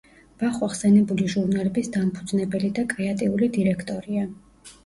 ბახვა ხსენებული ჟურნალების დამფუძნებელი და კრეატიული დირექტორია.